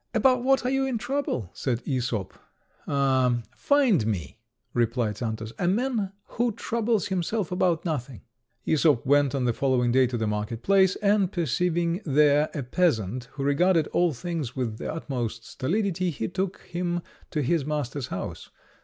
"About what are you in trouble?" said Æsop. "Ah! find me," replied Xantus, "a man who troubles himself about nothing." Æsop went on the following day to the market place, and perceiving there a peasant who regarded all things with the utmost stolidity, he took him to his master's house.